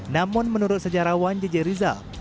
namun menurut sejarawan jj rizal